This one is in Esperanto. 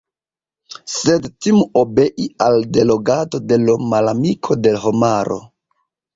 Sed timu obei al delogado de l' malamiko de homaro.